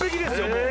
もう。